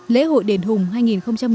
lễ hội đền hùng hai nghìn một mươi chín